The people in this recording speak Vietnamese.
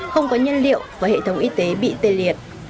không có nhân liệu và hệ thống y tế bị tê liệt